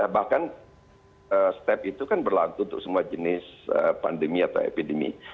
bahkan step itu kan berlaku untuk semua jenis pandemi atau epidemi